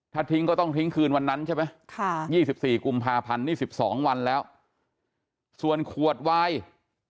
ถ้าทิ้งก็ต้องทิ้งคืนวันนั้นใช่ไหม๒๔กุมภาพันธ์นี่๑๒วันแล้วส่วนขวดวาย